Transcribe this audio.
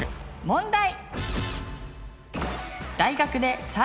問題！